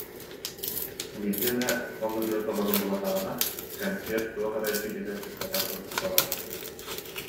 Биирдэ эмэ ол ырыа толоруллубатаҕына кэнсиэр туох эрэ силигэ ситэ сиппэтэх курдук буолааччы